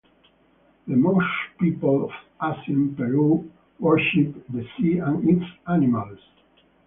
The Moche people of ancient Peru worshiped the sea and its animals.